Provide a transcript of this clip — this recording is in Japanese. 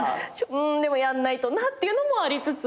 うんでもやんないとなっていうのもありつつ。